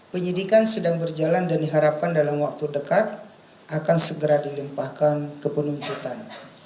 penyidikan sedang berjalan dan diharapkan dalam waktu dekat akan segera dilimpahkan ke penuntutan